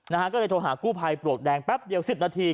นะฮะก็เลยโทรหากู้ภัยปลวกแดงแป๊บเดียวสิบนาที